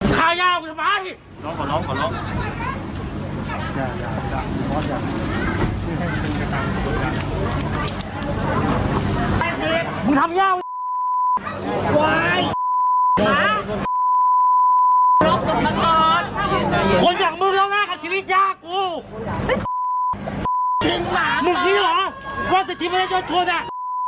คนอยากมึงแล้วนะค่ะชีวิตยากูมึงคิดเหรอว่าสิทธิประเทศยอดทุนอ่ะด้วยมึงได้ไอ้แม่หมา